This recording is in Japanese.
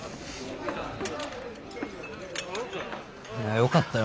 よかったよ。